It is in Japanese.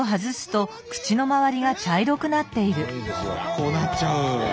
こうなっちゃう。